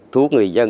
thuốc người dân